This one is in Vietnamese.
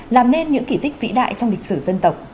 làm nên những kỷ tích vĩ đại trong lịch sử dân tộc